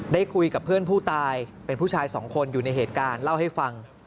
ได้คุยกับเพื่อนผู้ตายเป็นผู้ชายสองคนอยู่ในเหตุการณ์เล่าให้ฟัง